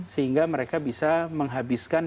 sehingga mereka bisa menghabiskan